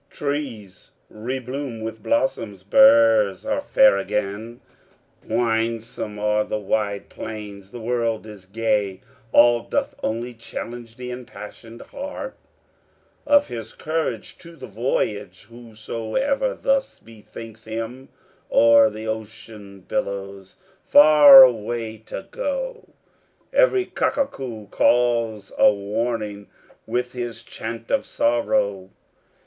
Trees rebloom with blossoms, burghs are fair again, Winsome are the wide plains, and the world is gay All doth only challenge the impassioned heart Of his courage to the voyage, whosoever thus bethinks him, O'er the ocean billows, far away to go. Every cuckoo calls a warning, with his chant of sorrow!